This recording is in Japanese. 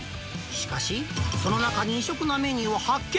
しかし、その中に異色なメニューを発見。